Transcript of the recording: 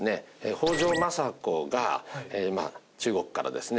北条政子が中国からですね